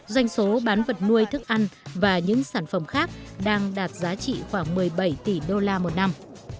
doanh số bán vật nuôi thức ăn và những sản phẩm khác đang đạt giá trị khoảng một mươi bảy tỷ đô la một năm